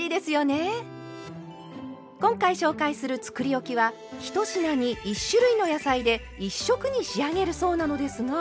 今回紹介するつくりおきは１品に１種類の野菜で１色に仕上げるそうなのですが。